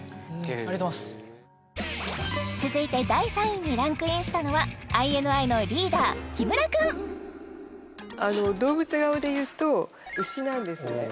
続いて第３位にランクインしたのはＩＮＩのリーダー木村くん動物顔でいうとうしなんですね